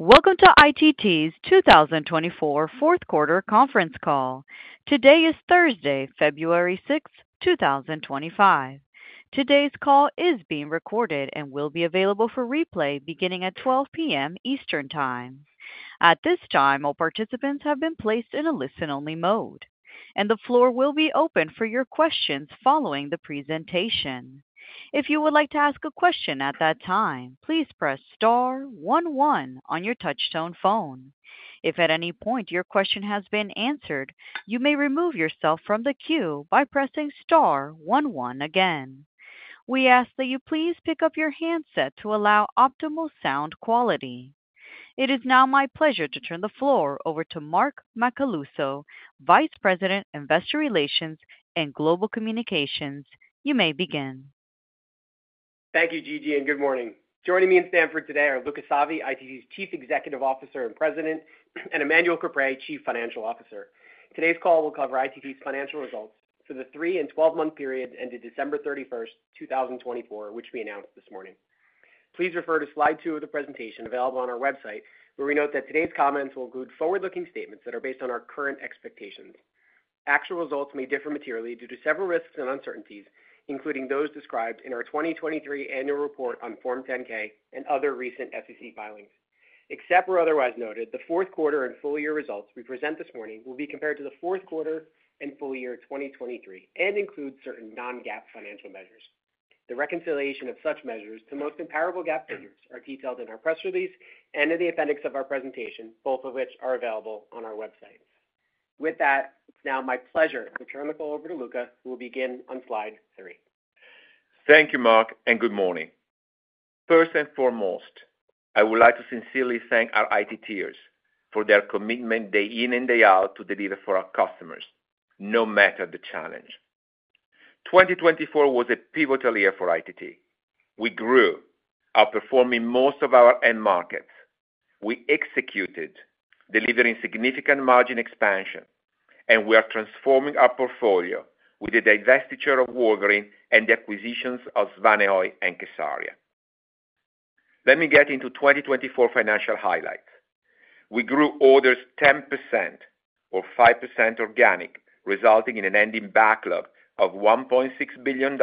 Welcome to ITT's 2024 fourth quarter conference call. Today is Thursday, February 6th, 2025. Today's call is being recorded and will be available for replay beginning at 12:00 P.M. Eastern Time. At this time, all participants have been placed in a listen-only mode, and the floor will be open for your questions following the presentation. If you would like to ask a question at that time, please press star 11 on your touchtone phone. If at any point your question has been answered, you may remove yourself from the queue by pressing star 11 again. We ask that you please pick up your handset to allow optimal sound quality. It is now my pleasure to turn the floor over to Mark Macaluso, Vice President, Investor Relations and Global Communications. You may begin. Thank you, Gigi, and good morning. Joining me in Stamford today are Luca Savi, ITT's Chief Executive Officer and President, and Emmanuel Caprais, Chief Financial Officer. Today's call will cover ITT's financial results for the three and 12-month period ended December 31st, 2024, which we announced this morning. Please refer to slide two of the presentation available on our website, where we note that today's comments will include forward-looking statements that are based on our current expectations. Actual results may differ materially due to several risks and uncertainties, including those described in our 2023 annual report on Form 10-K and other recent SEC filings. Except for otherwise noted, the fourth quarter and full year results we present this morning will be compared to the fourth quarter and full year 2023 and include certain non-GAAP financial measures. The reconciliation of such measures to most comparable GAAP figures are detailed in our press release and in the appendix of our presentation, both of which are available on our website. With that, it's now my pleasure to turn the call over to Luca, who will begin on slide three. Thank you, Mark, and good morning. First and foremost, I would like to sincerely thank our ITTers for their commitment day in and day out to deliver for our customers, no matter the challenge. 2024 was a pivotal year for ITT. We grew, outperforming most of our end markets. We executed, delivering significant margin expansion, and we are transforming our portfolio with the divestiture of Wolverine and the acquisitions of Svanehøj and kSARIA. Let me get into 2024 financial highlights. We grew orders 10% or 5% organic, resulting in an ending backlog of $1.6 billion,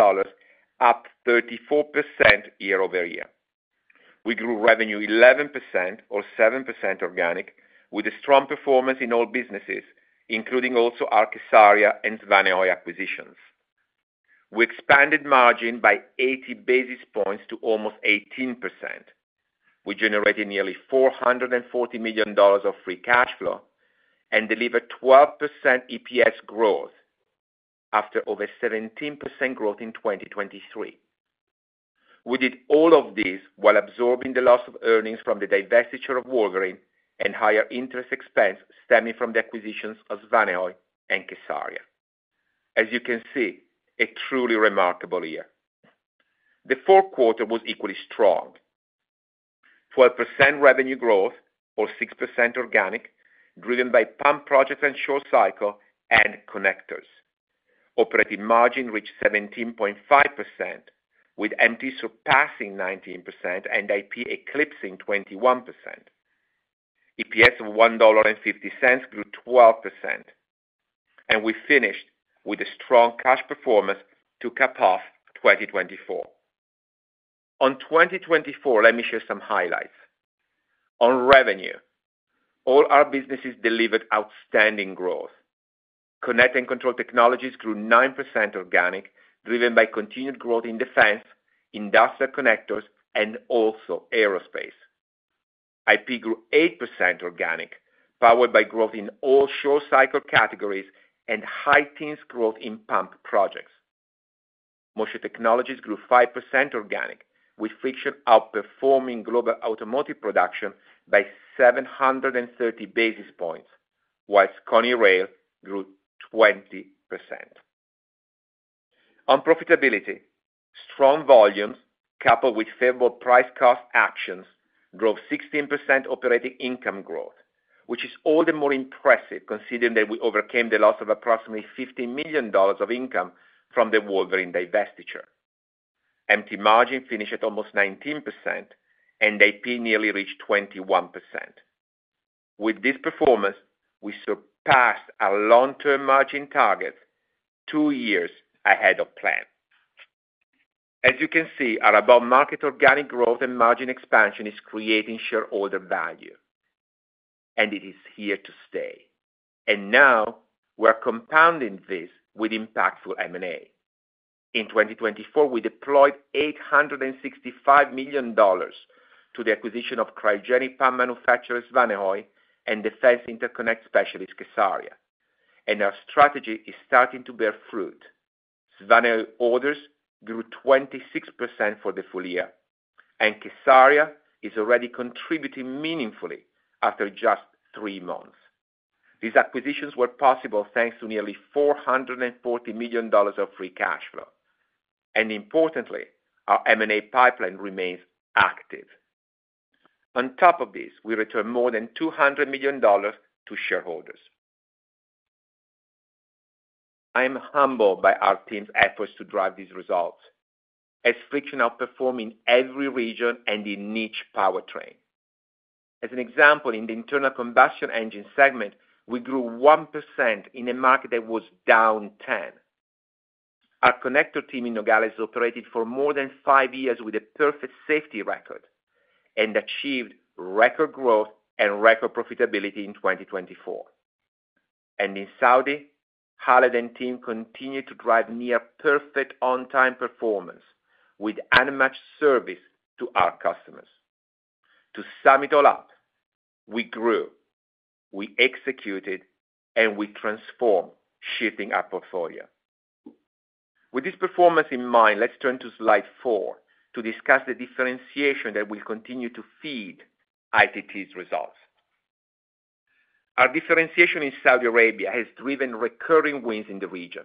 up 34% year over year. We grew revenue 11% or 7% organic, with a strong performance in all businesses, including also our kSARIA and Svanehøj acquisitions. We expanded margin by 80 basis points to almost 18%. We generated nearly $440 million of free cash flow and delivered 12% EPS growth after over 17% growth in 2023. We did all of this while absorbing the loss of earnings from the divestiture of Wolverine and higher interest expense stemming from the acquisitions of Svanehøj and kSARIA. As you can see, a truly remarkable year. The fourth quarter was equally strong. 12% revenue growth or 6% organic, driven by pump projects and short cycle and connectors. Operating margin reached 17.5%, with MT surpassing 19% and IP eclipsing 21%. EPS of $1.50 grew 12%, and we finished with a strong cash performance to cap off 2024. On 2024, let me share some highlights. On revenue, all our businesses delivered outstanding growth. Connect and Control Technologies grew 9% organic, driven by continued growth in defense, industrial connectors, and also aerospace. IP grew 8% organic, powered by growth in all short cycle categories and high single-digit growth in pump projects. Motion Technologies grew 5% organic, with Friction outperforming global automotive production by 730 basis points, while KONI Rail grew 20%. On profitability, strong volumes coupled with favorable price-cost actions drove 16% operating income growth, which is all the more impressive considering that we overcame the loss of approximately $15 million of income from the Wolverine divestiture. EBITDA margin finished at almost 19%, and IP nearly reached 21%. With this performance, we surpassed our long-term margin targets two years ahead of plan. As you can see, our above-market organic growth and margin expansion is creating shareholder value, and it is here to stay, and now we're compounding this with impactful M&A. In 2024, we deployed $865 million to the acquisition of Cryogenic Pump Manufacturer Svanehøj and Defense Interconnect Specialist kSARIA, and our strategy is starting to bear fruit. Svanehøj orders grew 26% for the full year, and kSARIA is already contributing meaningfully after just three months. These acquisitions were possible thanks to nearly $440 million of free cash flow, and importantly, our M&A pipeline remains active. On top of this, we returned more than $200 million to shareholders. I am humbled by our team's efforts to drive these results, as Friction outperformed in every region and in each powertrain. As an example, in the internal combustion engine segment, we grew 1% in a market that was down 10%. Our connector team in Nogales operated for more than five years with a perfect safety record and achieved record growth and record profitability in 2024. And in Saudi, Khalid and team continued to drive near-perfect on-time performance with unmatched service to our customers. To sum it all up, we grew, we executed, and we transformed, shifting our portfolio. With this performance in mind, let's turn to slide four to discuss the differentiation that will continue to feed ITT's results. Our differentiation in Saudi Arabia has driven recurring wins in the region.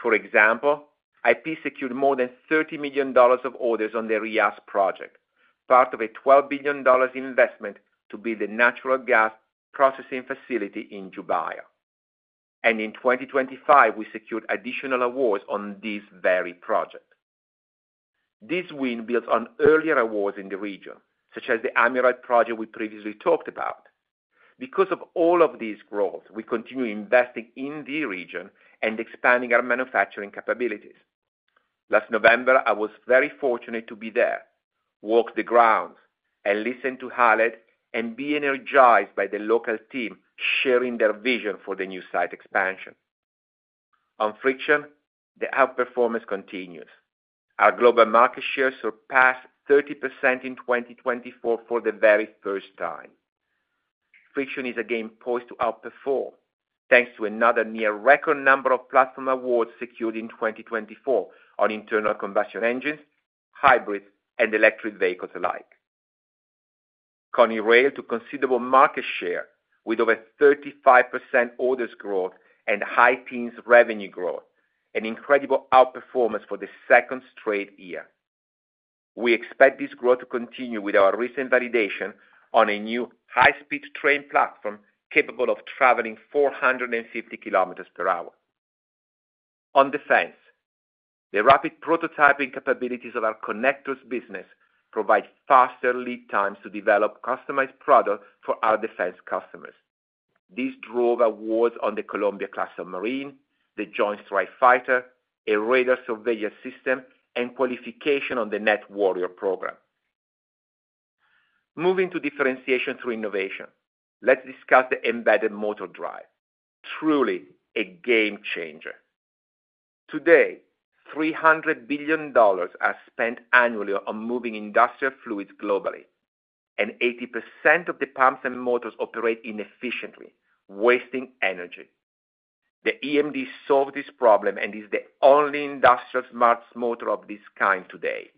For example, IP secured more than $30 million of orders on the Riyas project, part of a $12 billion investment to build a natural gas processing facility in Jubail. And in 2025, we secured additional awards on this very project. This win builds on earlier awards in the region, such as the Amiral project we previously talked about. Because of all of these growth, we continue investing in the region and expanding our manufacturing capabilities. Last November, I was very fortunate to be there, walk the grounds, and listen to Khalid and be energized by the local team sharing their vision for the new site expansion. On Friction, the outperformance continues. Our global market share surpassed 30% in 2024 for the very first time. Friction is again poised to outperform thanks to another near-record number of platform awards secured in 2024 on internal combustion engines, hybrids, and electric vehicles alike. KONI Rail took considerable market share with over 35% orders growth and high-teens revenue growth, an incredible outperformance for the second straight year. We expect this growth to continue with our recent validation on a new high-speed train platform capable of traveling 450 kilometers per hour. On defense, the rapid prototyping capabilities of our connectors business provide faster lead times to develop customized products for our defense customers. This drove awards on the Columbia Class Submarine, the Joint Strike Fighter, a Radar Surveyor system, and qualification on the Nett Warrior program. Moving to differentiation through innovation, let's discuss the Embedded Motor Drive, truly a game changer. Today, $300 billion are spent annually on moving industrial fluids globally, and 80% of the pumps and motors operate inefficiently, wasting energy. The EMD solved this problem and is the only industrial smart motor of this kind today.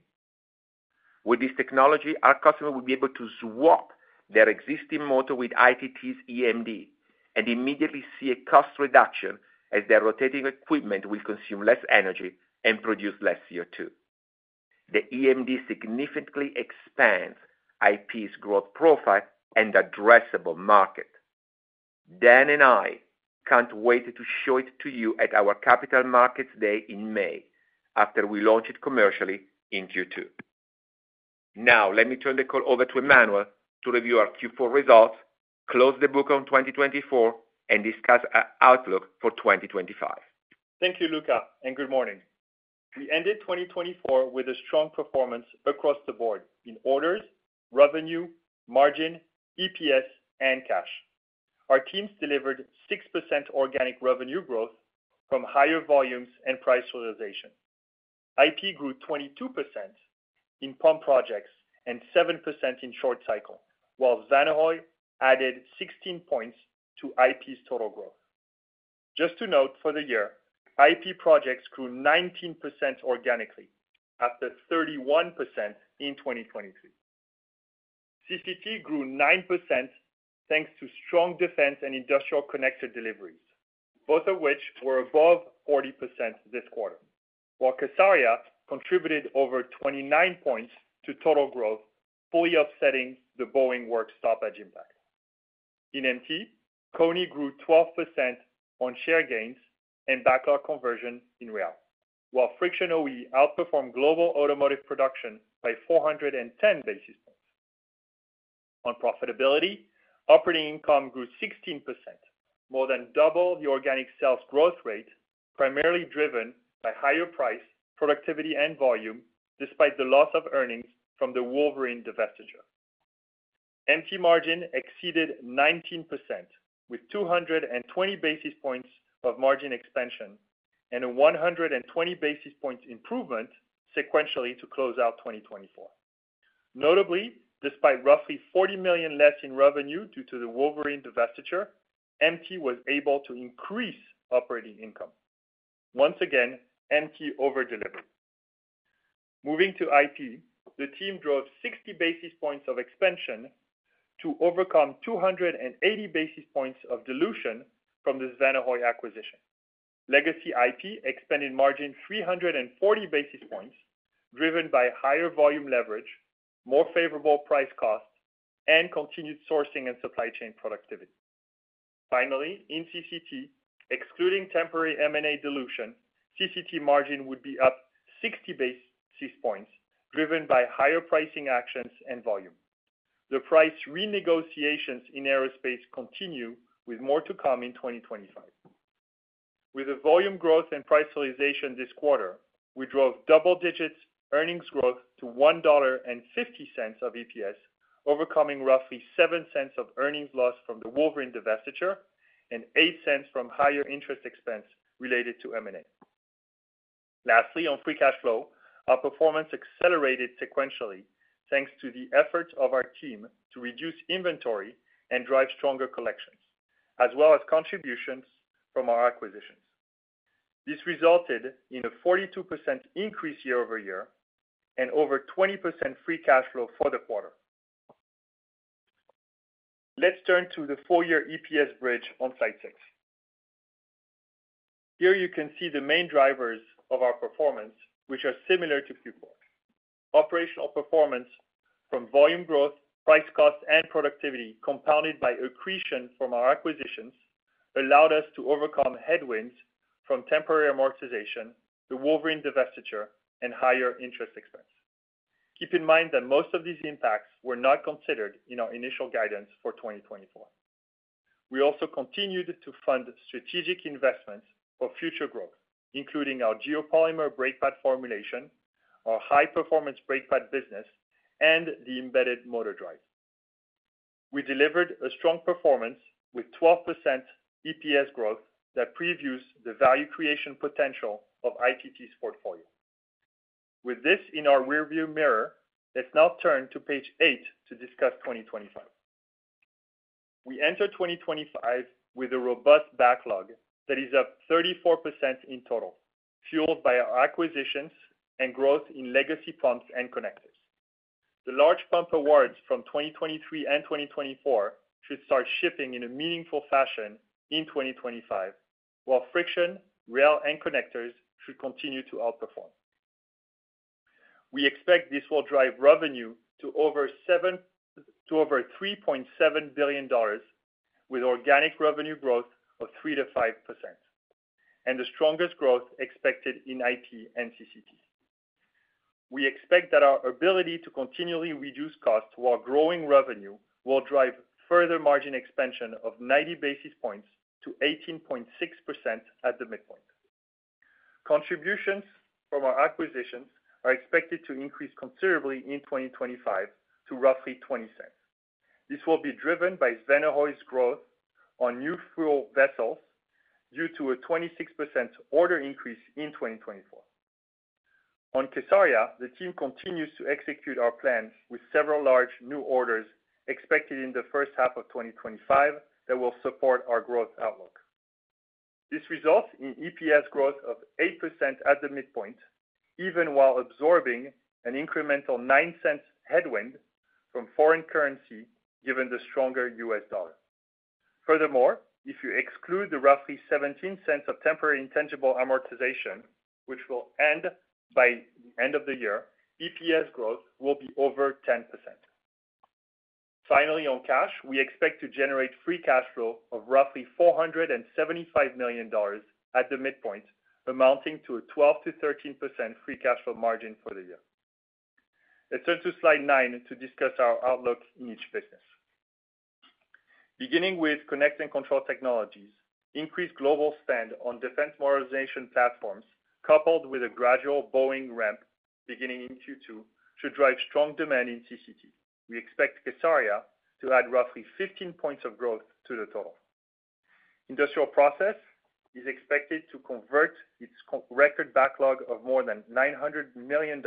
With this technology, our customers will be able to swap their existing motor with ITT's EMD and immediately see a cost reduction as their rotating equipment will consume less energy and produce less CO2. The EMD significantly expands IP's growth profile and addressable market. Dan and I can't wait to show it to you at our Capital Markets Day in May after we launch it commercially in Q2. Now, let me turn the call over to Emmanuel to review our Q4 results, close the book on 2024, and discuss our outlook for 2025. Thank you, Luca, and good morning. We ended 2024 with a strong performance across the board in orders, revenue, margin, EPS, and cash. Our teams delivered 6% organic revenue growth from higher volumes and price realization. IP grew 22% in pump projects and 7% in short cycle, while Svanehøj added 16 points to IP's total growth. Just to note for the year, IP projects grew 19% organically after 31% in 2023. CCT grew 9% thanks to strong defense and industrial connector deliveries, both of which were above 40% this quarter, while kSARIA contributed over 29 points to total growth, fully offsetting the Boeing work stoppage impact. In MT, KONI grew 12% on share gains and backlog conversion in Riyadh, while Friction OE outperformed global automotive production by 410 basis points. On profitability, operating income grew 16%, more than double the organic sales growth rate, primarily driven by higher price, productivity, and volume, despite the loss of earnings from the Wolverine divestiture. MT margin exceeded 19%, with 220 basis points of margin expansion and a 120 basis points improvement sequentially to close out 2024. Notably, despite roughly $40 million less in revenue due to the Wolverine divestiture, MT was able to increase operating income. Once again, MT overdelivered. Moving to IP, the team drove 60 basis points of expansion to overcome 280 basis points of dilution from the Svanehøj acquisition. Legacy IP expanded margin 340 basis points, driven by higher volume leverage, more favorable price costs, and continued sourcing and supply chain productivity. Finally, in CCT, excluding temporary M&A dilution, CCT margin would be up 60 basis points, driven by higher pricing actions and volume. The price renegotiations in aerospace continue, with more to come in 2025. With the volume growth and price realization this quarter, we drove double-digit earnings growth to $1.50 of EPS, overcoming roughly $0.07 of earnings loss from the Wolverine divestiture and $0.08 from higher interest expense related to M&A. Lastly, on free cash flow, our performance accelerated sequentially thanks to the efforts of our team to reduce inventory and drive stronger collections, as well as contributions from our acquisitions. This resulted in a 42% increase year over year and over 20% free cash flow for the quarter. Let's turn to the four-year EPS bridge on slide six. Here you can see the main drivers of our performance, which are similar to Q4. Operational performance from volume growth, price cost, and productivity, compounded by accretion from our acquisitions, allowed us to overcome headwinds from temporary amortization, the Wolverine divestiture, and higher interest expense. Keep in mind that most of these impacts were not considered in our initial guidance for 2024. We also continued to fund strategic investments for future growth, including our geopolymer brake pad formulation, our high-performance brake pad business, and the embedded motor drive. We delivered a strong performance with 12% EPS growth that previews the value creation potential of ITT's portfolio. With this in our rearview mirror, let's now turn to page eight to discuss 2025. We entered 2025 with a robust backlog that is up 34% in total, fueled by our acquisitions and growth in legacy pumps and connectors. The large pump awards from 2023 and 2024 should start shipping in a meaningful fashion in 2025, while Friction, Rail, and connectors should continue to outperform. We expect this will drive revenue to over $3.7 billion, with organic revenue growth of 3%-5%, and the strongest growth expected in IP and CCT. We expect that our ability to continually reduce costs while growing revenue will drive further margin expansion of 90 basis points to 18.6% at the midpoint. Contributions from our acquisitions are expected to increase considerably in 2025 to roughly $0.20. This will be driven by Svanehøj's growth on new fuel vessels due to a 26% order increase in 2024. On kSARIA, the team continues to execute our plans with several large new orders expected in the first half of 2025 that will support our growth outlook. This results in EPS growth of 8% at the midpoint, even while absorbing an incremental $0.09 headwind from foreign currency given the stronger U.S. dollar. Furthermore, if you exclude the roughly $0.17 of temporary intangible amortization, which will end by the end of the year, EPS growth will be over 10%. Finally, on cash, we expect to generate free cash flow of roughly $475 million at the midpoint, amounting to a 12% to 13% free cash flow margin for the year. Let's turn to slide nine to discuss our outlook in each business. Beginning with Connect and Control Technologies, increased global spend on defense modernization platforms coupled with a gradual Boeing ramp beginning in Q2 should drive strong demand in CCT. We expect kSARIA to add roughly 15 points of growth to the total. Industrial Process is expected to convert its record backlog of more than $900 million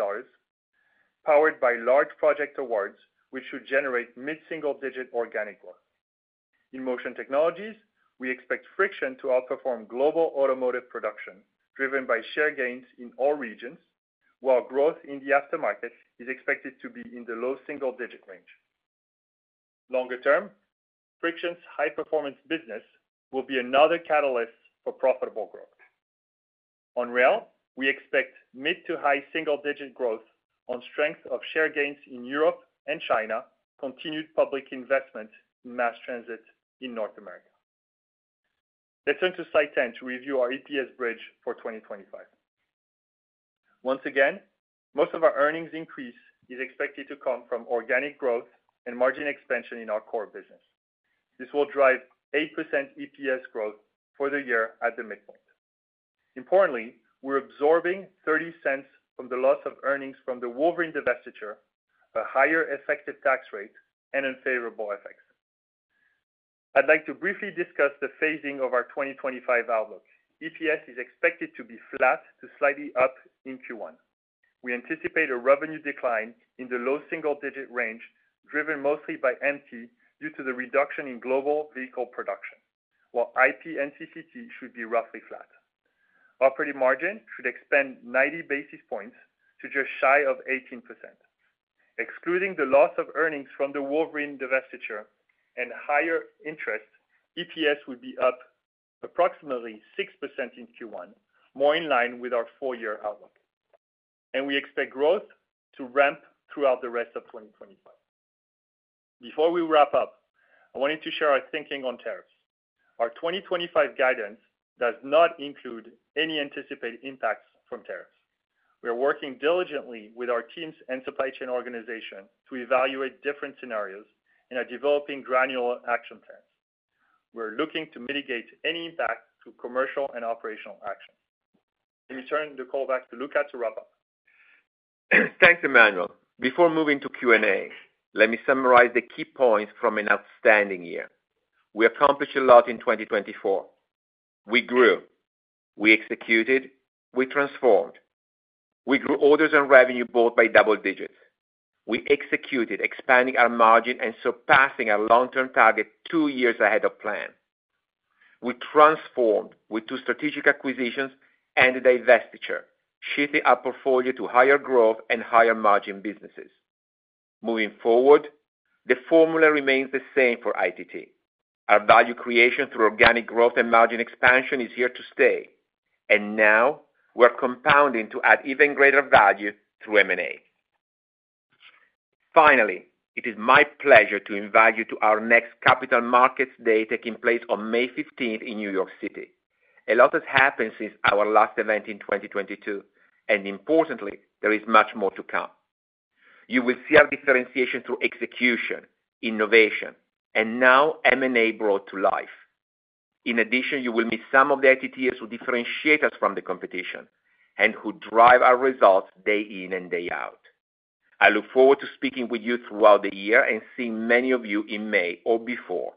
powered by large project awards, which should generate mid-single-digit organic growth. In Motion Technologies, we expect Friction to outperform global automotive production, driven by share gains in all regions, while growth in the aftermarket is expected to be in the low single-digit range. Longer term, Friction's high-performance business will be another catalyst for profitable growth. On rail, we expect mid to high single-digit growth on strength of share gains in Europe and China, continued public investment in mass transit in North America. Let's turn to slide 10 to review our EPS bridge for 2025. Once again, most of our earnings increase is expected to come from organic growth and margin expansion in our core business. This will drive 8% EPS growth for the year at the midpoint. Importantly, we're absorbing $0.30 from the loss of earnings from the Wolverine divestiture, a higher effective tax rate, and unfavorable effects. I'd like to briefly discuss the phasing of our 2025 outlook. EPS is expected to be flat to slightly up in Q1. We anticipate a revenue decline in the low single-digit range, driven mostly by MT due to the reduction in global vehicle production, while IP and CCT should be roughly flat. Operating margin should expand 90 basis points to just shy of 18%. Excluding the loss of earnings from the Wolverine divestiture and higher interest, EPS would be up approximately 6% in Q1, more in line with our four-year outlook. And we expect growth to ramp throughout the rest of 2025. Before we wrap up, I wanted to share our thinking on tariffs. Our 2025 guidance does not include any anticipated impacts from tariffs. We are working diligently with our teams and supply chain organization to evaluate different scenarios and are developing granular action plans. We're looking to mitigate any impact to commercial and operational action. Let me turn the call back to Luca to wrap up. Thanks, Emmanuel. Before moving to Q&A, let me summarize the key points from an outstanding year. We accomplished a lot in 2024. We grew. We executed. We transformed. We grew orders and revenue both by double digits. We executed, expanding our margin and surpassing our long-term target two years ahead of plan. We transformed with two strategic acquisitions and a divestiture, shifting our portfolio to higher growth and higher margin businesses. Moving forward, the formula remains the same for ITT. Our value creation through organic growth and margin expansion is here to stay. And now, we're compounding to add even greater value through M&A. Finally, it is my pleasure to invite you to our next Capital Markets Day taking place on May 15th in New York City. A lot has happened since our last event in 2022, and importantly, there is much more to come. You will see our differentiation through execution, innovation, and now M&A brought to life. In addition, you will meet some of the ITTers who differentiate us from the competition and who drive our results day in and day out. I look forward to speaking with you throughout the year and seeing many of you in May or before.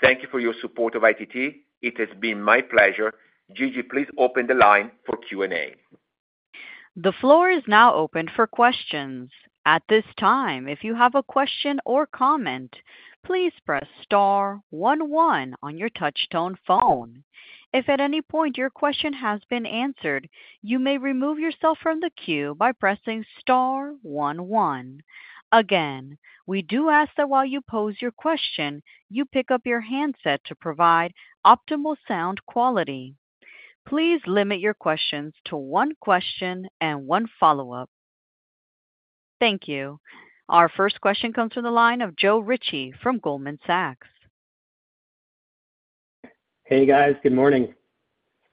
Thank you for your support of ITT. It has been my pleasure. Gigi, please open the line for Q&A. The floor is now open for questions. At this time, if you have a question or comment, please press star 11 on your touch-tone phone. If at any point your question has been answered, you may remove yourself from the queue by pressing star 11. Again, we do ask that while you pose your question, you pick up your handset to provide optimal sound quality. Please limit your questions to one question and one follow-up. Thank you. Our first question comes from the line of Joe Ritchie from Goldman Sachs. Hey, guys. Good morning.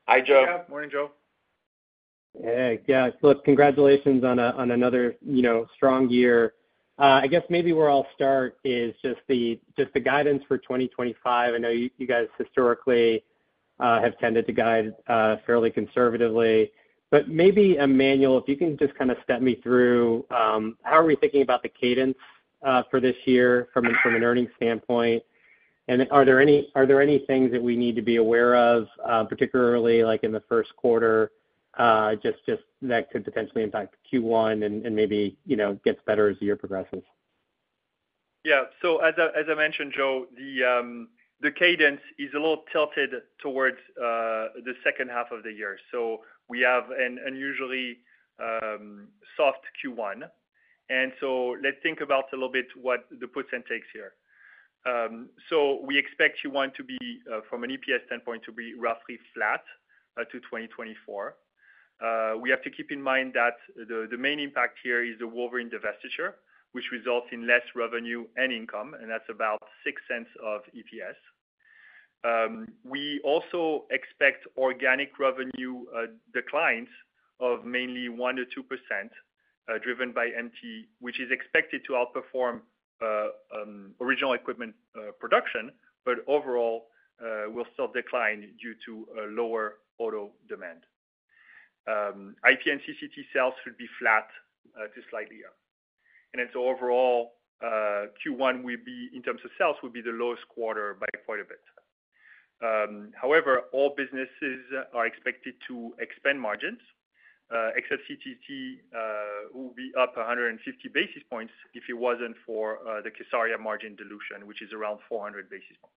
Hi, Joe. Morning, Joe. Yeah. Yeah, Cliff, congratulations on another strong year. I guess maybe where I'll start is just the guidance for 2025. I know you guys historically have tended to guide fairly conservatively. But maybe, Emmanuel, if you can just kind of step me through, how are we thinking about the cadence for this year from an earnings standpoint? And are there any things that we need to be aware of, particularly in the first quarter, just that could potentially impact Q1 and maybe get better as the year progresses? Yeah. So as I mentioned, Joe, the cadence is a little tilted towards the second half of the year. So we have an unusually soft Q1. And so let's think about a little bit what the P&L takes here. So we expect Q1 to be, from an EPS standpoint, to be roughly flat to 2024. We have to keep in mind that the main impact here is the Wolverine divestiture, which results in less revenue and income, and that's about $0.06 of EPS. We also expect organic revenue declines of mainly 1% to 2%, driven by MT, which is expected to outperform original equipment production, but overall will still decline due to lower auto demand. IP and CCT sales should be flat to slightly up. And so overall, Q1 will be, in terms of sales, will be the lowest quarter by quite a bit. However, all businesses are expected to expand margins, except CCT, who will be up 150 basis points if it wasn't for the kSARIA margin dilution, which is around 400 basis points.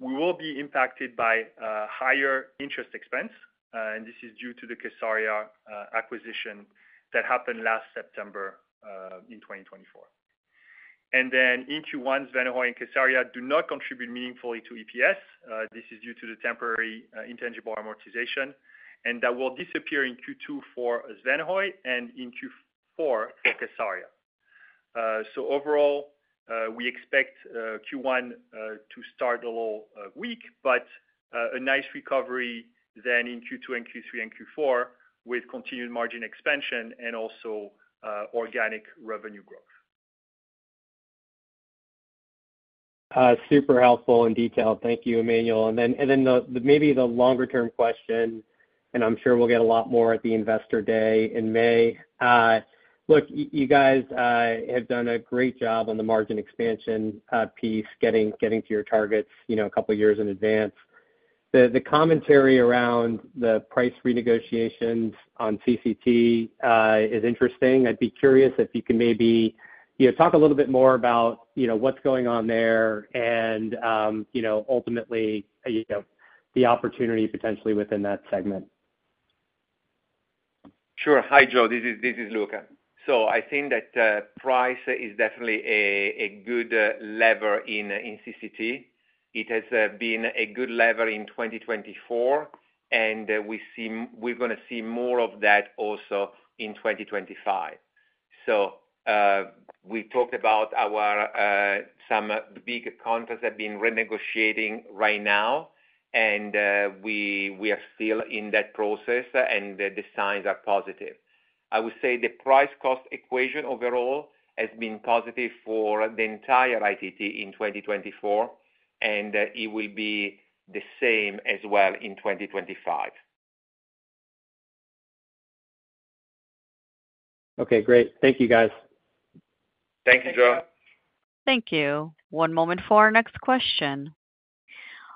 We will be impacted by higher interest expense, and this is due to the kSARIA acquisition that happened last September in 2024, and then in Q1, Svanehøj and kSARIA do not contribute meaningfully to EPS. This is due to the temporary intangible amortization, and that will disappear in Q2 for Svanehøj and in Q4 for kSARIA, so overall, we expect Q1 to start a little weak, but a nice recovery then in Q2 and Q3 and Q4 with continued margin expansion and also organic revenue growth. Super helpful and detailed. Thank you, Emmanuel, and then maybe the longer-term question, and I'm sure we'll get a lot more at the investor day in May. Look, you guys have done a great job on the margin expansion piece, getting to your targets a couple of years in advance. The commentary around the price renegotiations on CCT is interesting. I'd be curious if you can maybe talk a little bit more about what's going on there and ultimately the opportunity potentially within that segment. Sure. Hi, Joe. This is Luca. So, I think that price is definitely a good lever in CCT. It has been a good lever in 2024, and we're going to see more of that also in 2025. So, we talked about how some big contracts have been renegotiating right now, and we are still in that process, and the signs are positive. I would say the price-cost equation overall has been positive for the entire ITT in 2024, and it will be the same as well in 2025. Okay. Great. Thank you, guys. Thank you, Joe. Thank you. One moment for our next question.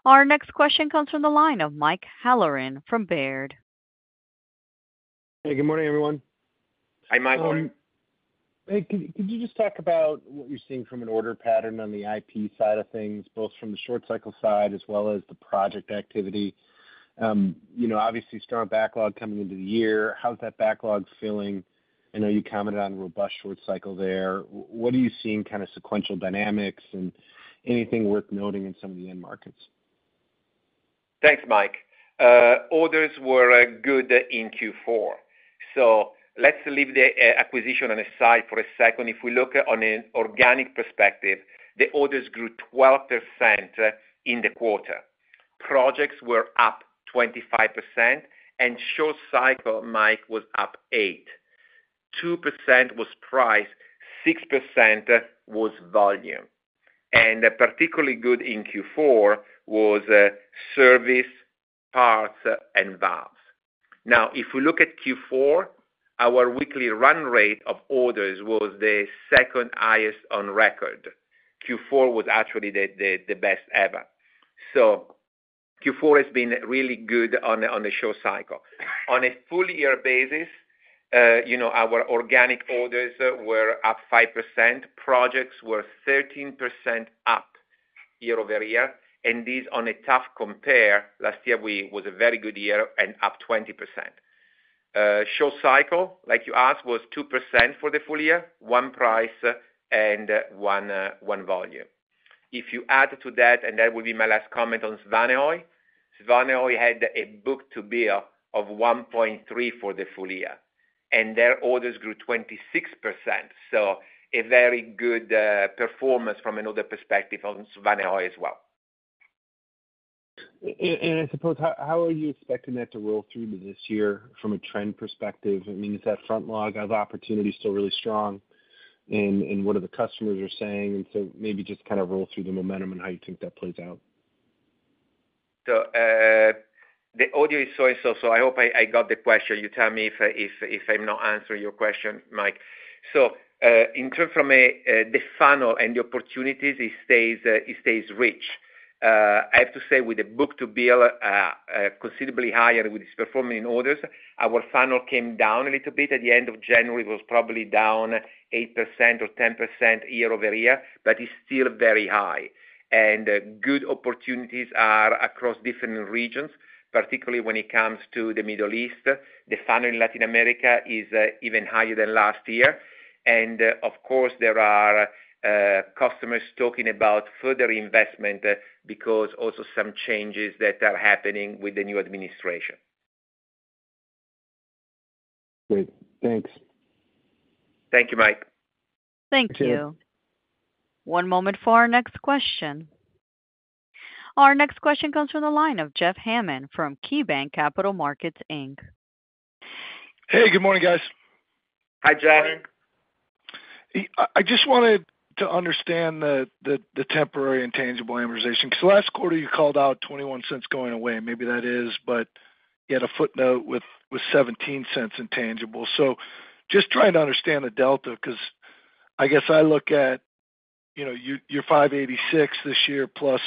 Our next question comes from the line of Mike Halloran from Baird. Hey, good morning, everyone. Hi, Mike. Hey. Could you just talk about what you're seeing from an order pattern on the IP side of things, both from the short-cycle side as well as the project activity? Obviously, strong backlog coming into the year. How's that backlog feeling? I know you commented on robust short-cycle there. What are you seeing kind of sequential dynamics and anything worth noting in some of the end markets? Thanks, Mike. Orders were good in Q4, so let's leave the acquisition on the side for a second. If we look on an organic perspective, the orders grew 12% in the quarter. Projects were up 25%, and short-cycle, Mike, was up 8%. 2% was price, 6% was volume, and particularly good in Q4 was service, parts, and valves. Now, if we look at Q4, our weekly run rate of orders was the second highest on record. Q4 was actually the best ever, so Q4 has been really good on the short-cycle. On a full-year basis, our organic orders were up 5%, projects were 13% up year over year, and this on a tough compare. Last year was a very good year and up 20%. Short-cycle, like you asked, was 2% for the full year, 1% price and 1% volume. If you add to that, and that will be my last comment on Svanehøj, Svanehøj had a book-to-bill of 1.3 for the full year. And their orders grew 26%. So a very good performance from another perspective on Svanehøj as well. And I suppose how are you expecting that to roll through this year from a trend perspective? I mean, is that front log of opportunity still really strong? And what are the customers saying? And so maybe just kind of roll through the momentum and how you think that plays out. So the audio is so-and-so, so I hope I got the question. You tell me if I'm not answering your question, Mike. In terms of the funnel and the opportunities, it stays rich. I have to say with the book-to-bill considerably higher with its performance in orders, our funnel came down a little bit at the end of January. It was probably down 8% or 10% year over year, but it's still very high, and good opportunities are across different regions, particularly when it comes to the Middle East. The funnel in Latin America is even higher than last year, and of course, there are customers talking about further investment because also some changes that are happening with the new administration. Great. Thanks. Thank you, Mike. Thank you. One moment for our next question. Our next question comes from the line of Jeff Hammond from KeyBanc Capital Markets Inc. Hey, good morning, guys. Hi, Jeff. I just wanted to understand the temporary intangible amortization. Because last quarter, you called out $0.21 going away. Maybe that is, but you had a footnote with $0.17 intangible. So just trying to understand the delta because I guess I look at your $5.86 this year plus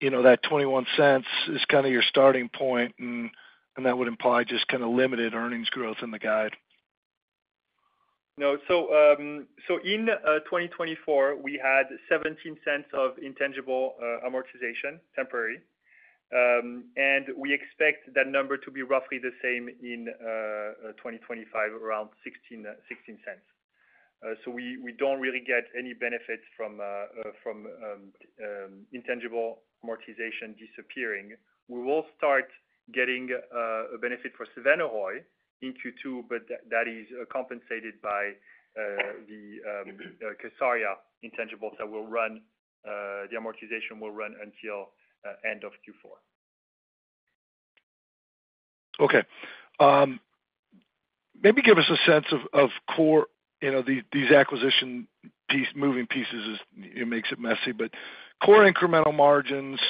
that $0.21 is kind of your starting point, and that would imply just kind of limited earnings growth in the guide. No. So in 2024, we had $0.17 of intangible amortization, temporary and we expect that number to be roughly the same in 2025, around $0.16. So we don't really get any benefits from intangible amortization disappearing. We will start getting a benefit for Svanehøj in Q2, but that is compensated by the kSARIA intangible that will run. The amortization will run until the end of Q4. Okay. Maybe give us a sense of these acquisition moving pieces. It makes it messy, but core incremental margins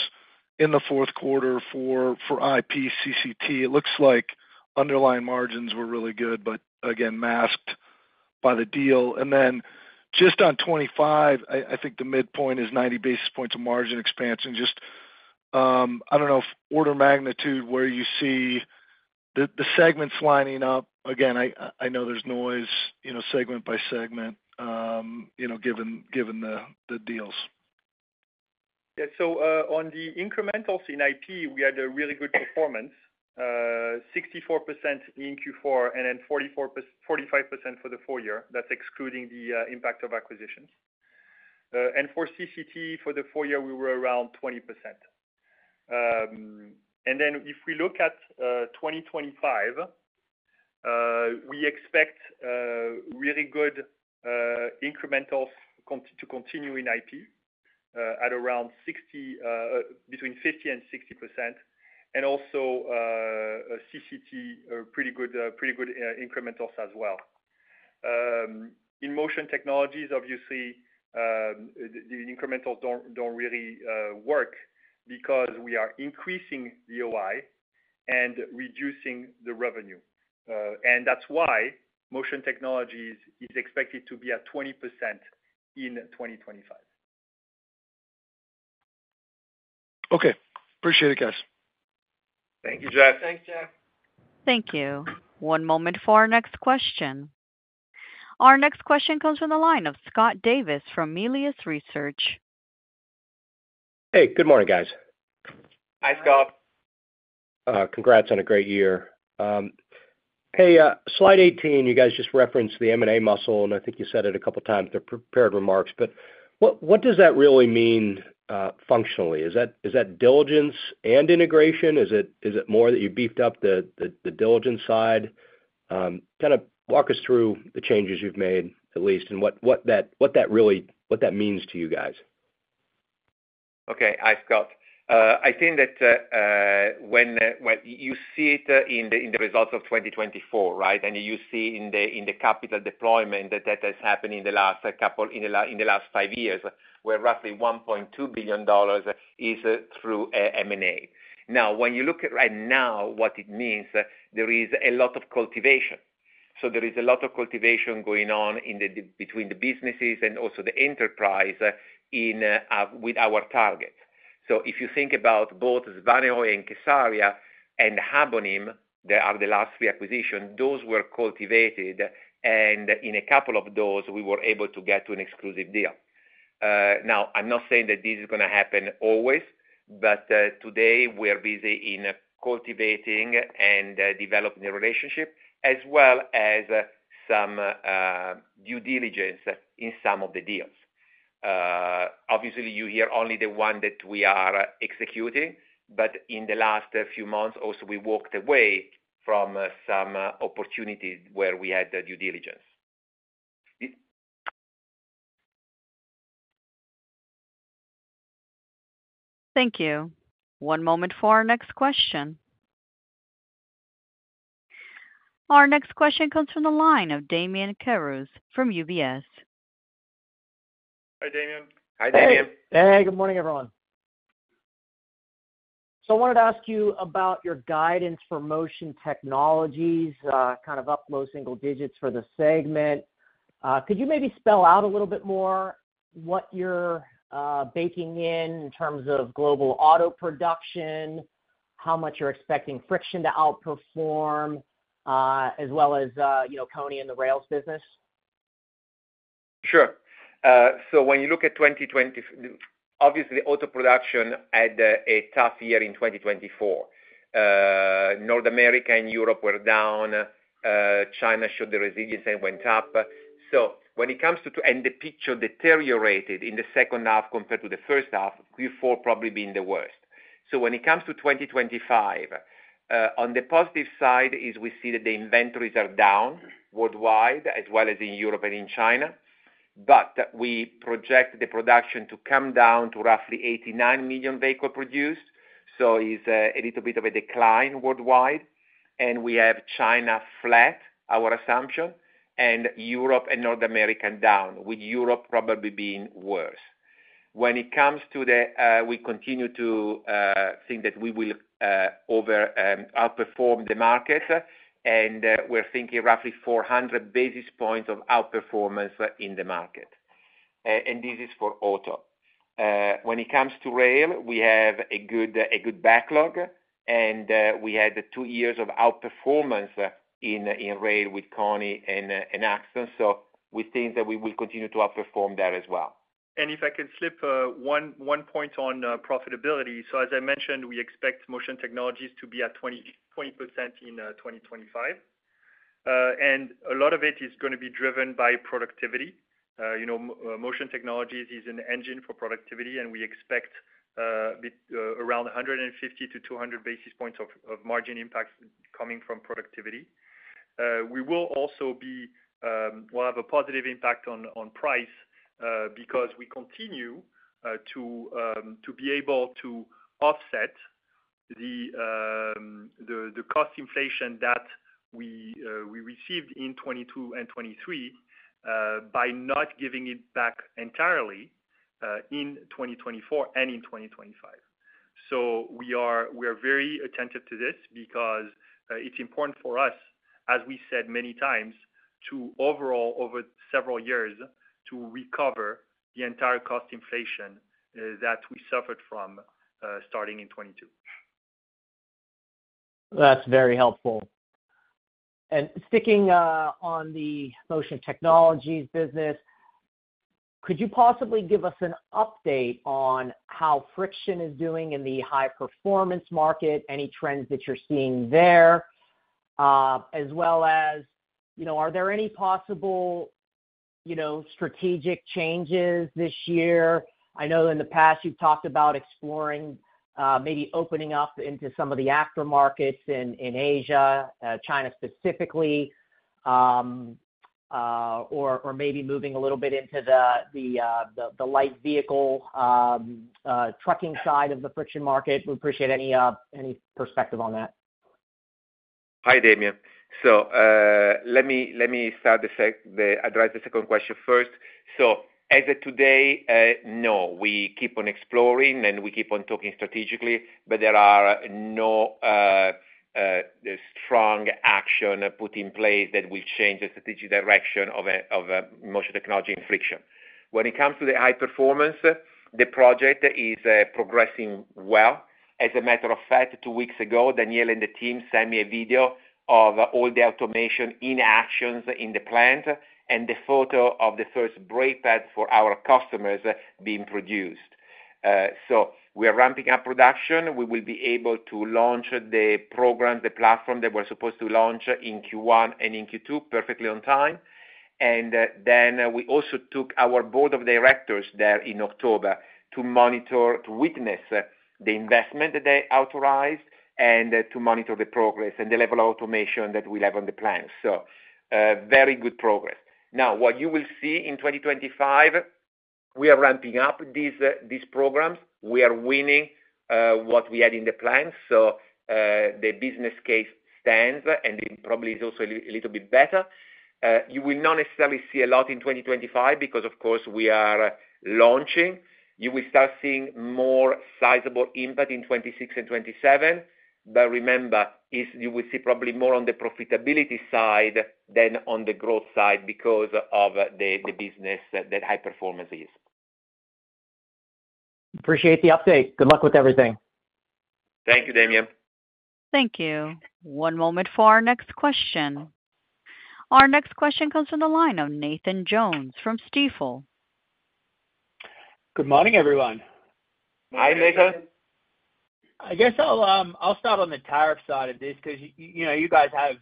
in the fourth quarter for IP, CCT. It looks like underlying margins were really good, but again, masked by the deal. And then just on 25, I think the midpoint is 90 basis points of margin expansion. Just, I don't know if order of magnitude where you see the segments lining up. Again, I know there's noise segment by segment given the deals. Yeah. So on the incrementals in IP, we had a really good performance, 64% in Q4 and then 45% for the full year. That's excluding the impact of acquisitions. And for CCT, for the full year, we were around 20%. And then if we look at 2025, we expect really good incrementals to continue in IP at around between 50% and 60%, and also CCT, pretty good incrementals as well. In Motion Technologies, obviously, the incrementals don't really work because we are increasing the OI and reducing the revenue. And that's why Motion Technologies is expected to be at 20% in 2025. Okay. Appreciate it, guys. Thank you, Jeff. Thanks, Jeff. Thank you. One moment for our next question. Our next question comes from the line of Scott Davis from Melius Research. Hey, good morning, guys. Hi, Scott. Congrats on a great year. Hey, slide 18, you guys just referenced the M&A muscle, and I think you said it a couple of times to prepared remarks. But what does that really mean functionally? Is that diligence and integration? Is it more that you beefed up the diligence side? Kind of walk us through the changes you've made, at least, and what that really means to you guys. Okay. Hi, Scott. I think that when you see it in the results of 2024, right, and you see in the capital deployment that has happened in the last five years, where roughly $1.2 billion is through M&A. Now, when you look at right now, what it means, there is a lot of cultivation. So there is a lot of cultivation going on between the businesses and also the enterprise with our target. So if you think about both Svanehøj and kSARIA and Habonim, that are the last three acquisitions, those were cultivated. And in a couple of those, we were able to get to an exclusive deal. Now, I'm not saying that this is going to happen always, but today, we are busy in cultivating and developing the relationship as well as some due diligence in some of the deals. Obviously, you hear only the one that we are executing, but in the last few months, also, we walked away from some opportunities where we had due diligence. Thank you. One moment for our next question. Our next question comes from the line of Damian Karas from UBS. Hi, Damien. Hi, Damien. Hey. Good morning, everyone. So I wanted to ask you about your guidance for Motion Technologies, kind of up low single digits for the segment. Could you maybe spell out a little bit more what you're baking in in terms of global auto production, how much you're expecting friction to outperform, as well as Koni and the rails business? Sure, so when you look at 2024, obviously, auto production had a tough year in 2024. North America and Europe were down. China showed the resilience and went up, and the picture deteriorated in the second half compared to the first half, Q4 probably being the worst. So when it comes to 2025, on the positive side is we see that the inventories are down worldwide as well as in Europe and in China. But we project the production to come down to roughly 89 million vehicles produced. So it's a little bit of a decline worldwide, and we have China flat, our assumption, and Europe and North America down, with Europe probably being worse. When it comes to, we continue to think that we will outperform the market, and we're thinking roughly 400 basis points of outperformance in the market, and this is for auto. When it comes to rail, we have a good backlog, and we had two years of outperformance in rail with KONI and Axtone. So we think that we will continue to outperform there as well. If I could slip one point on profitability. As I mentioned, we expect Motion Technologies to be at 20% in 2025. A lot of it is going to be driven by productivity. Motion Technologies is an engine for productivity, and we expect around 150-200 basis points of margin impact coming from productivity. We'll have a positive impact on price because we continue to be able to offset the cost inflation that we received in 2022 and 2023 by not giving it back entirely in 2024 and in 2025. We are very attentive to this because it's important for us, as we said many times, to overall, over several years, to recover the entire cost inflation that we suffered from starting in 2022. That's very helpful, and sticking on the Motion Technologies business, could you possibly give us an update on how Friction is doing in the high-performance market, any trends that you're seeing there, as well as are there any possible strategic changes this year? I know in the past, you've talked about exploring maybe opening up into some of the aftermarkets in Asia, China specifically, or maybe moving a little bit into the light vehicle trucking side of the Friction market. We appreciate any perspective on that. Hi, Damian. So let me start the second question first. So as of today, no, we keep on exploring and we keep on talking strategically, but there are no strong action put in place that will change the strategic direction of Motion Technology and Friction. When it comes to the high performance, the project is progressing well. As a matter of fact, two weeks ago, Daniel and the team sent me a video of all the automation in actions in the plant and the photo of the first brake pads for our customers being produced. So we are ramping up production. We will be able to launch the program, the platform that we're supposed to launch in Q1 and in Q2 perfectly on time. And then we also took our board of directors there in October to monitor, to witness the investment that they authorized and to monitor the progress and the level of automation that we have on the plant. So very good progress. Now, what you will see in 2025, we are ramping up these programs. We are winning what we had in the plant. So the business case stands and probably is also a little bit better. You will not necessarily see a lot in 2025 because, of course, we are launching. You will start seeing more sizable impact in 2026 and 2027. But remember, you will see probably more on the profitability side than on the growth side because of the business that high performance is. Appreciate the update. Good luck with everything. Thank you, Damian. Thank you. One moment for our next question. Our next question comes from the line of Nathan Jones from Stifel. Good morning, everyone. Hi, Nathan. I guess I'll start on the tariff side of this because you guys have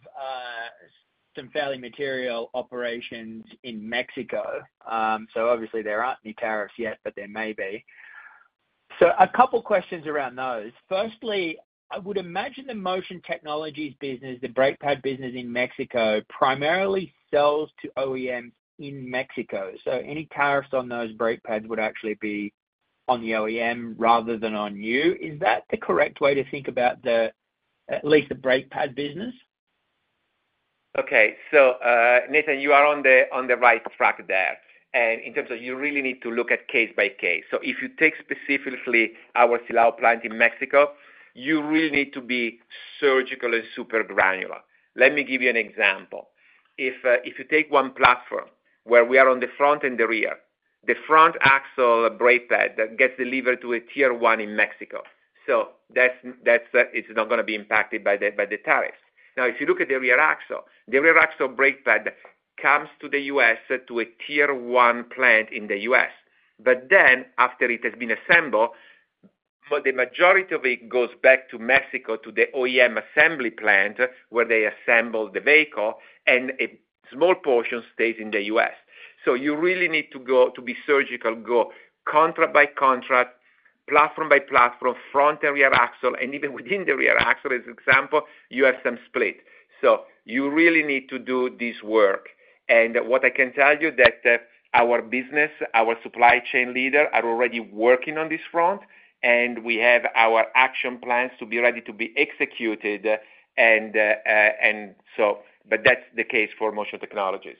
some fairly material operations in Mexico. So obviously, there aren't any tariffs yet, but there may be. So a couple of questions around those. Firstly, I would imagine the Motion Technologies business, the brake pad business in Mexico, primarily sells to OEMs in Mexico. So any tariffs on those brake pads would actually be on the OEM rather than on you. Is that the correct way to think about at least the brake pad business? Okay. So Nathan, you are on the right track there. And in terms of you really need to look at case by case. So if you take specifically our Silao plant in Mexico, you really need to be surgical and super granular. Let me give you an example. If you take one platform where we are on the front and the rear, the front axle brake pad that gets delivered to a Tier one in Mexico. So it's not going to be impacted by the tariffs. Now, if you look at the rear axle, the rear axle brake pad comes to the U.S. to a Tier one plant in the U.S. But then after it has been assembled, the majority of it goes back to Mexico to the OEM assembly plant where they assemble the vehicle, and a small portion stays in the U.S. So you really need to be surgical, go contract by contract, platform by platform, front and rear axle, and even within the rear axle, as an example, you have some split. So you really need to do this work. What I can tell you is that our business, our supply chain leader are already working on this front, and we have our action plans to be ready to be executed. So but that's the case for Motion Technologies.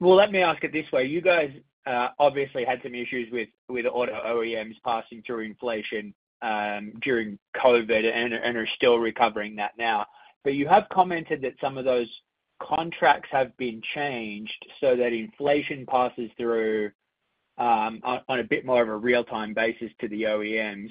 Let me ask it this way. You guys obviously had some issues with auto OEMs passing through inflation during COVID and are still recovering that now. But you have commented that some of those contracts have been changed so that inflation passes through on a bit more of a real-time basis to the OEMs.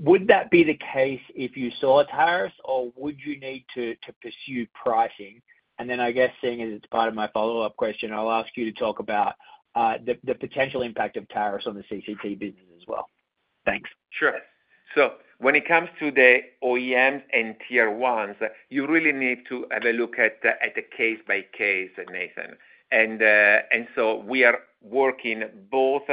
Would that be the case if you saw a tariff, or would you need to pursue pricing? And then I guess, seeing as it's part of my follow-up question, I'll ask you to talk about the potential impact of tariffs on the CCT business as well. Thanks. Sure. So when it comes to the OEMs and tier ones, you really need to have a look at the case by case, Nathan. And so we are working both,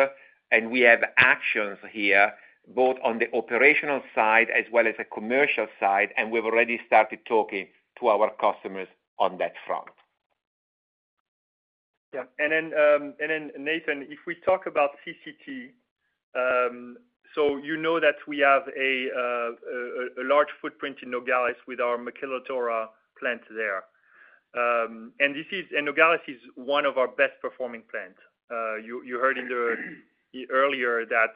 and we have actions here, both on the operational side as well as the commercial side. And we've already started talking to our customers on that front. Yeah. And then, Nathan, if we talk about CCT, so you know that we have a large footprint in Nogales with our kSARIA plant there. And Nogales is one of our best-performing plants. You heard earlier that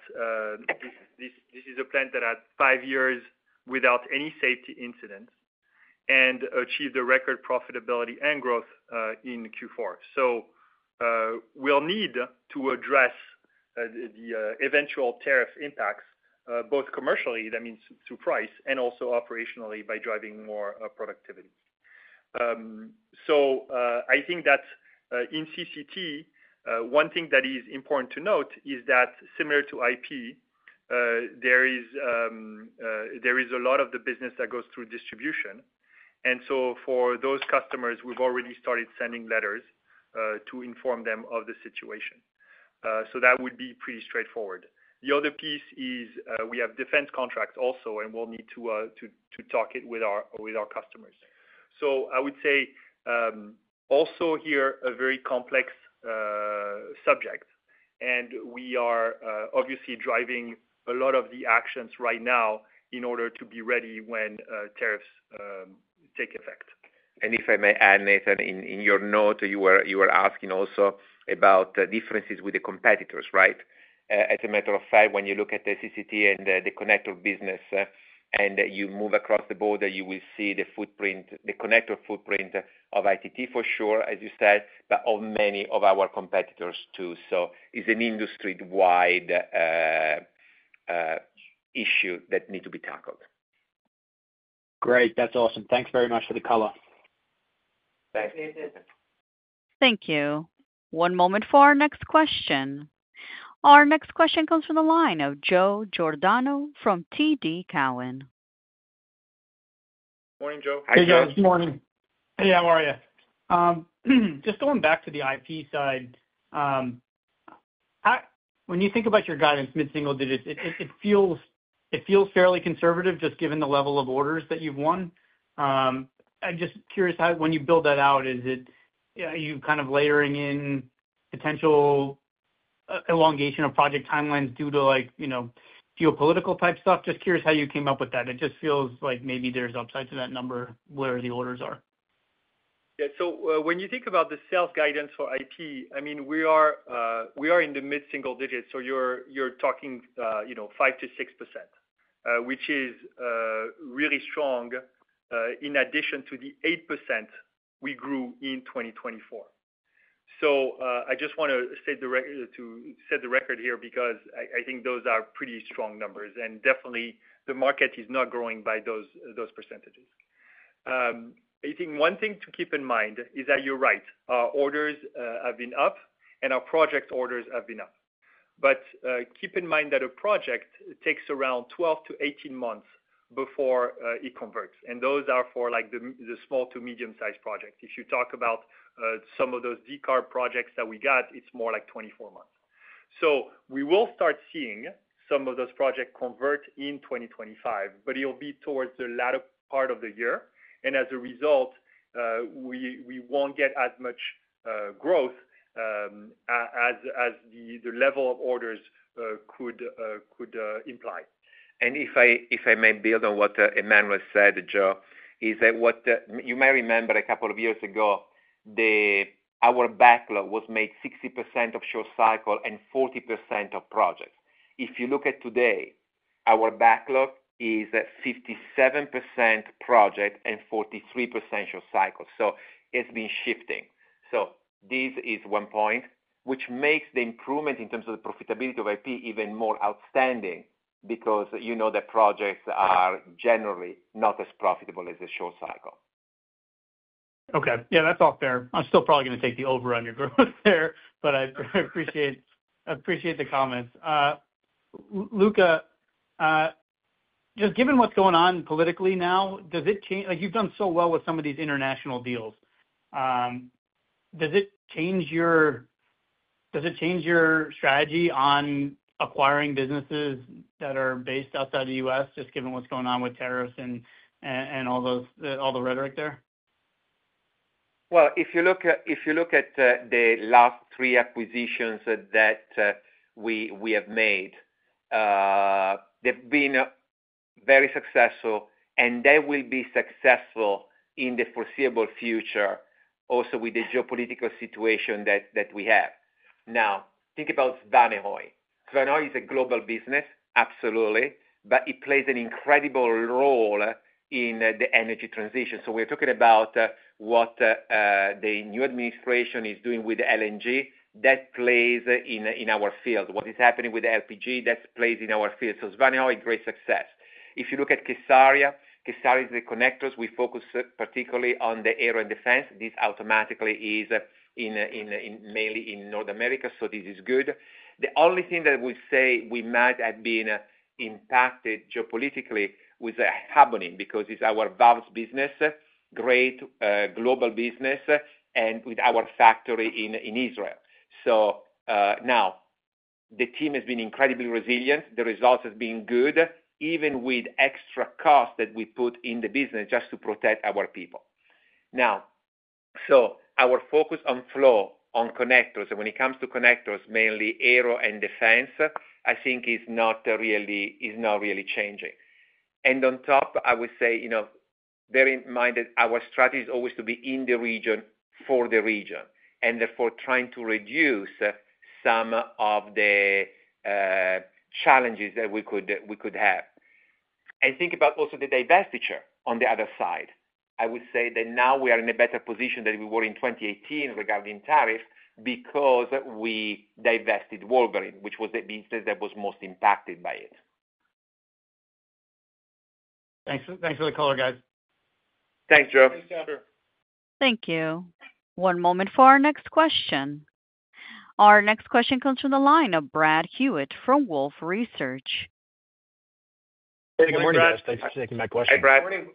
this is a plant that had five years without any safety incidents and achieved a record profitability and growth in Q4. So we'll need to address the eventual tariff impacts, both commercially, that means through price, and also operationally by driving more productivity. So I think that in CCT, one thing that is important to note is that similar to IP, there is a lot of the business that goes through distribution. And so for those customers, we've already started sending letters to inform them of the situation. So that would be pretty straightforward. The other piece is we have defense contracts also, and we'll need to talk about it with our customers. So I would say also here a very complex subject. And we are obviously driving a lot of the actions right now in order to be ready when tariffs take effect. If I may add, Nathan, in your note, you were asking also about differences with the competitors, right? As a matter of fact, when you look at the CCT and the connector business and you move across the border, you will see the connector footprint of ITT for sure, as you said, but of many of our competitors too. So it's an industry-wide issue that needs to be tackled. Great. That's awesome. Thanks very much for the color. Thanks. Thank you. One moment for our next question. Our next question comes from the line of Joe Giordano from TD Cowen. Morning, Joe. Hey, Joe. Good morning. Hey, how are you? Just going back to the IP side, when you think about your guidance mid-single digits, it feels fairly conservative just given the level of orders that you've won. I'm just curious how, when you build that out, is it you kind of layering in potential elongation of project timelines due to geopolitical-type stuff? Just curious how you came up with that. It just feels like maybe there's upside to that number where the orders are. Yeah. So when you think about the sales guidance for IP, I mean, we are in the mid-single digits. So you're talking 5%-6%, which is really strong in addition to the 8% we grew in 2024. So I just want to set the record here because I think those are pretty strong numbers. And definitely, the market is not growing by those percentages. I think one thing to keep in mind is that you're right. Our orders have been up, and our project orders have been up. But keep in mind that a project takes around 12-18 months before it converts. And those are for the small to medium-sized projects. If you talk about some of those Decarb projects that we got, it's more like 24 months. So we will start seeing some of those projects convert in 2025, but it'll be towards the latter part of the year. And as a result, we won't get as much growth as the level of orders could imply. And if I may build on what Emmanuel said, Joe, is that you may remember a couple of years ago, our backlog was made 60% of short cycle and 40% of projects. If you look at today, our backlog is 57% project and 43% short cycle. So it's been shifting. So this is one point, which makes the improvement in terms of the profitability of IP even more outstanding because the projects are generally not as profitable as the short cycle. Okay. Yeah, that's all fair. I'm still probably going to take the over on your growth there, but I appreciate the comments. Luca, just given what's going on politically now, does it change? You've done so well with some of these international deals. Does it change your strategy on acquiring businesses that are based outside the U.S., just given what's going on with tariffs and all the rhetoric there? If you look at the last three acquisitions that we have made, they've been very successful, and they will be successful in the foreseeable future also with the geopolitical situation that we have. Now, think about Svanehøj. Svanehøj is a global business, absolutely, but it plays an incredible role in the energy transition. We're talking about what the new administration is doing with LNG. That plays in our field. What is happening with the LPG, that plays in our field. Svanehøj, great success. If you look at kSARIA, kSARIA is the connectors. We focus particularly on the air and defense. This automatically is mainly in North America, so this is good. The only thing that we say we might have been impacted geopolitically with the Habonim because it's our valves business, great global business, and with our factory in Israel. Now, the team has been incredibly resilient. The result has been good, even with extra costs that we put in the business just to protect our people. Now, our focus on flow, on connectors, and when it comes to connectors, mainly aero and defense, I think is not really changing. On top, I would say, bearing in mind that our strategy is always to be in the region for the region and therefore trying to reduce some of the challenges that we could have. Think about also the divestiture on the other side. I would say that now we are in a better position than we were in 2018 regarding tariffs because we divested Wolverine, which was the business that was most impacted by it. Thanks for the call, guys. Thanks, Joe. Thanks, Joe. Thank you. One moment for our next question. Our next question comes from the line of Brad Hewitt from Wolfe Research. Hey, good morning, guys. Thanks for taking my question. Hey, Brad. Good morning.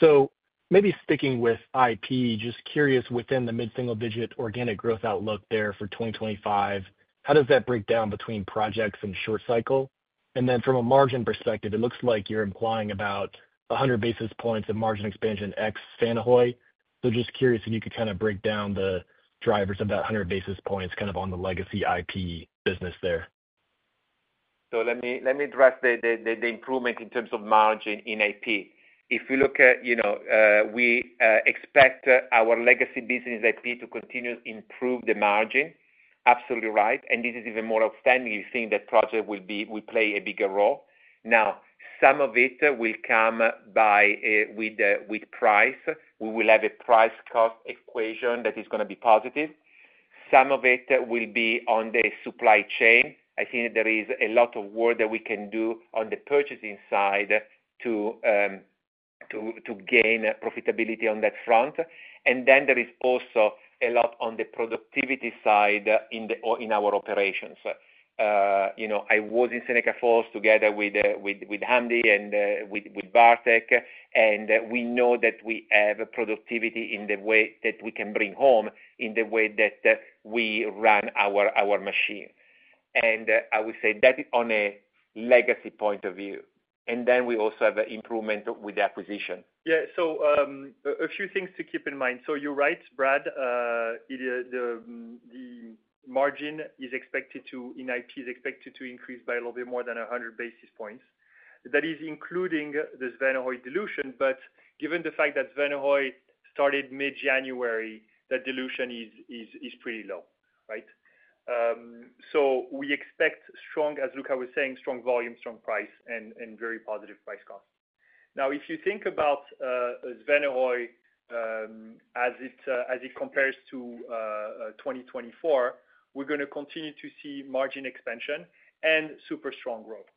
So maybe sticking with IP, just curious within the mid-single digit organic growth outlook there for 2025, how does that break down between projects and short cycle? And then from a margin perspective, it looks like you're implying about 100 basis points of margin expansion ex Svanehøj. So just curious if you could kind of break down the drivers of that 100 basis points kind of on the legacy IP business there. So let me address the improvement in terms of margin in IP. If you look at, we expect our legacy business IP to continue to improve the margin, absolutely right. And this is even more outstanding. You think that project will play a bigger role. Now, some of it will come by with price. We will have a price-cost equation that is going to be positive. Some of it will be on the supply chain. I think there is a lot of work that we can do on the purchasing side to gain profitability on that front. And then there is also a lot on the productivity side in our operations. I was in Seneca Falls together with Hamdy and with Bartek, and we know that we have productivity in the way that we can bring home in the way that we run our machine. I would say that on a legacy point of view, and then we also have improvement with the acquisition. Yeah. So a few things to keep in mind. So you're right, Brad. The margin in IP is expected to increase by a little bit more than 100 basis points. That is including the Svanehøj dilution, but given the fact that Svanehøj started mid-January, that dilution is pretty low, right? So we expect, as Luca was saying, strong volume, strong price, and very positive price cost. Now, if you think about Svanehøj as it compares to 2024, we're going to continue to see margin expansion and super strong growth,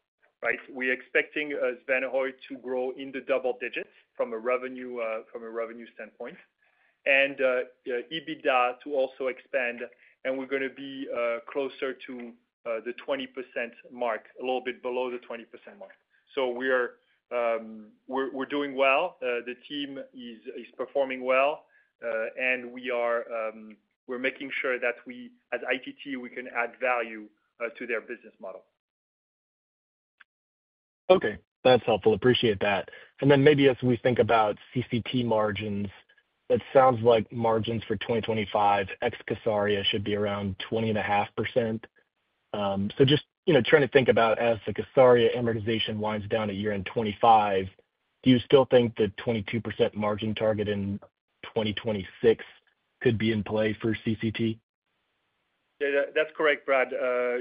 right? We're expecting Svanehøj to grow in the double digits from a revenue standpoint and EBITDA to also expand, and we're going to be closer to the 20% mark, a little bit below the 20% mark. So we're doing well. The team is performing well, and we're making sure that we, as ITT, we can add value to their business model. Okay. That's helpful. Appreciate that. And then maybe as we think about CCT margins, it sounds like margins for 2025 ex kSARIA should be around 20.5%. So just trying to think about as the kSARIA amortization winds down a year in 2025, do you still think the 22% margin target in 2026 could be in play for CCT? Yeah, that's correct, Brad.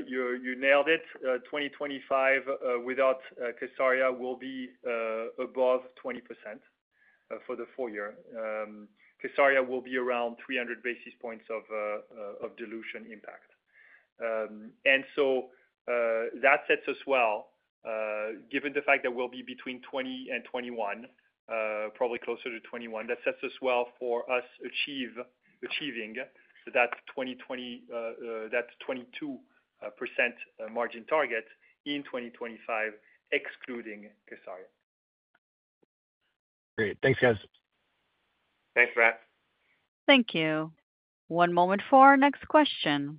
You nailed it. 2025 without kSARIA will be above 20% for the full year. kSARIA will be around 300 basis points of dilution impact. And so that sets us well, given the fact that we'll be between 20% and 21%, probably closer to 21%. That sets us well for us achieving that 22% margin target in 2025, excluding kSARIA. Great. Thanks, guys. Thanks, Brad. Thank you. One moment for our next question.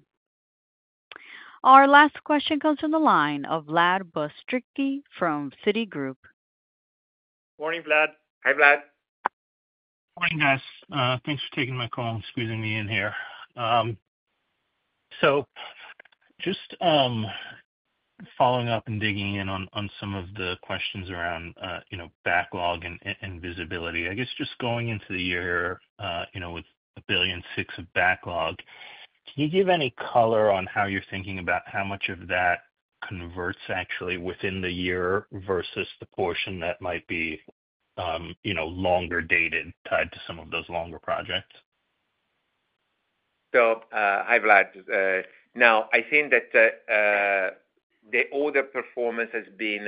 Our last question comes from the line of Vlad Bystricky from Citigroup. Morning, Vlad. Hi, Vlad. Morning, guys. Thanks for taking my call and squeezing me in here. So just following up and digging in on some of the questions around backlog and visibility. I guess just going into the year with a $1.6 billion backlog, can you give any color on how you're thinking about how much of that converts actually within the year versus the portion that might be longer dated tied to some of those longer projects? So hi, Vlad. Now, I think that the order performance has been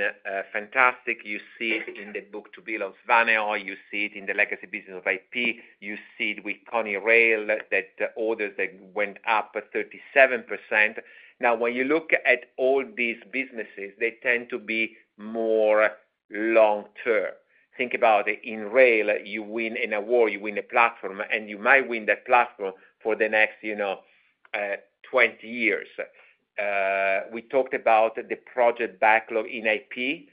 fantastic. You see it in the book-to-bill of Svanehøj. You see it in the legacy business of IP. You see it with KONI Rail that orders that went up 37%. Now, when you look at all these businesses, they tend to be more long-term. Think about it. In rail, you win an award, you win a platform, and you might win that platform for the next 20 years. We talked about the project backlog in IP.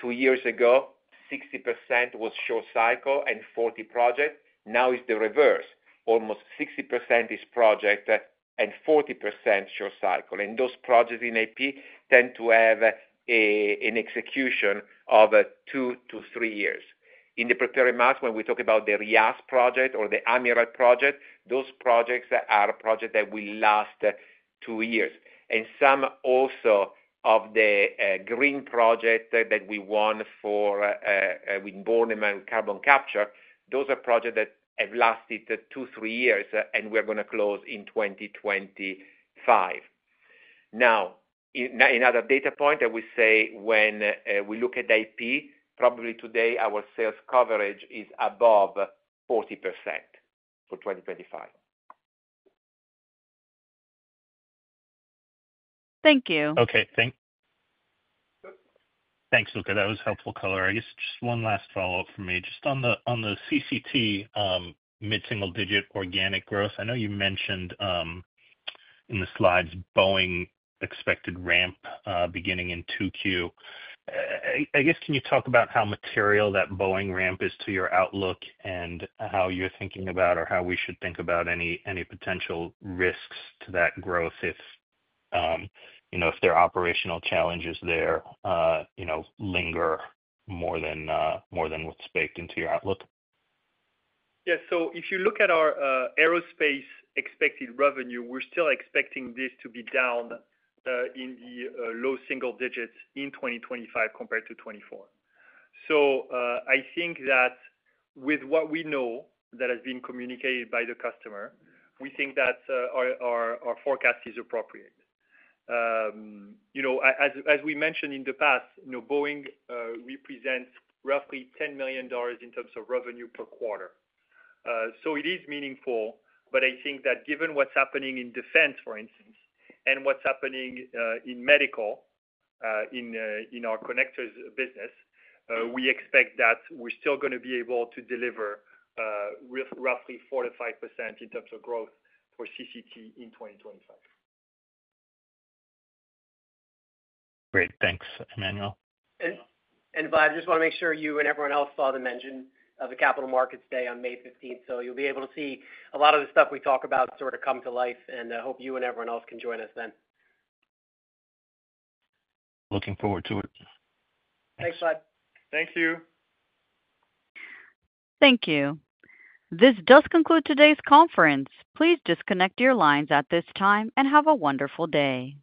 Two years ago, 60% was short cycle and 40% projects. Now it's the reverse. Almost 60% is project and 40% short cycle. And those projects in IP tend to have an execution of two to three years. In the project market, when we talk about the Riyas project or the Amiral project, those projects are projects that will last two years. And some of the green projects that we won with Bornemann for carbon capture, those are projects that have lasted two, three years, and we're going to close in 2025. Now, another data point that we say when we look at IP, probably today our sales coverage is above 40% for 2025. Thank you. Okay. Thanks. Thanks, Luca. That was helpful color. I guess just one last follow-up for me. Just on the CCT mid-single digit organic growth, I know you mentioned in the slides Boeing expected ramp beginning in Q2. I guess can you talk about how material that Boeing ramp is to your outlook and how you're thinking about or how we should think about any potential risks to that growth if there are operational challenges there linger more than what's baked into your outlook? Yeah. So if you look at our aerospace expected revenue, we're still expecting this to be down in the low single digits in 2025 compared to 2024. So I think that with what we know that has been communicated by the customer, we think that our forecast is appropriate. As we mentioned in the past, Boeing represents roughly $10 million in terms of revenue per quarter. So it is meaningful, but I think that given what's happening in defense, for instance, and what's happening in medical in our connectors business, we expect that we're still going to be able to deliver roughly 45% in terms of growth for CCT in 2025. Great. Thanks, Emmanuel. And Vlad, I just want to make sure you and everyone else saw the mention of the Capital Markets Day on May 15th. So you'll be able to see a lot of the stuff we talk about sort of come to life, and I hope you and everyone else can join us then. Looking forward to it. Thanks, Vlad. Thank you. Thank you. This does conclude today's conference. Please disconnect your lines at this time and have a wonderful day.